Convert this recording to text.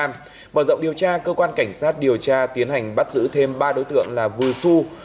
mở rộng điều tra cơ quan cảnh sát điều tra tiến hành bắt giữ thêm ba đối tượng là vù xu